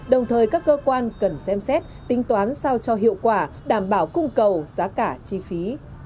đồng thời các cơ quan cần xem xét tính toán sao cho hiệu quả đảm bảo cung cầu giá cả chi phí